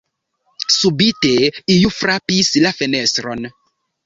Subite iu frapis la fenestron.